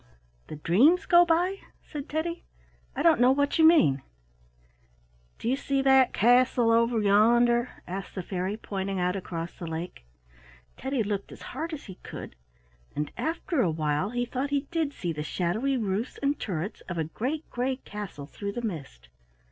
"The dreams go by!" said Teddy. "I don't know what you mean." "Do you see that castle over yonder?" asked the fairy, pointing out across the lake. Teddy looked as hard as he could, and after a while he thought he did see the shadowy roofs and turrets of a great gray castle through the mist.